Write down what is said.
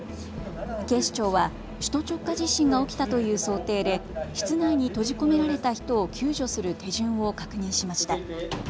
警視庁は首都直下地震が起きたという想定で室内に閉じ込められた人を救助する手順を確認しました。